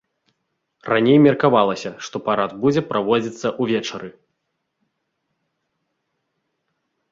Раней меркавалася, што парад будзе праводзіцца ўвечары.